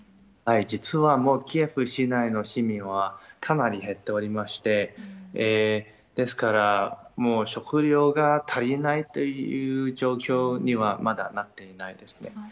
実はもうキエフ市内の市民はかなり減っておりまして、ですから、もう食料が足りないという状況にはまだなっていないですね。